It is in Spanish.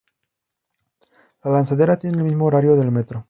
La lanzadera tiene el mismo horario del Metro.